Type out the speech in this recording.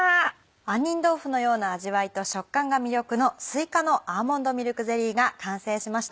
杏仁豆腐のような味わいと食感が魅力のすいかのアーモンドミルクゼリーが完成しました。